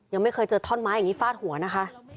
ยังไม่เคยเจอท่อนไม้อย่างนี้ฟาดหัวนะคะ